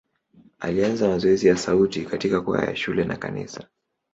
Alianza mazoezi ya sauti katika kwaya ya shule na kanisa.